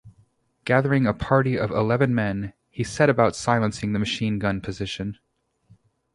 Gathering a party of eleven men, he set about silencing the machine gun position.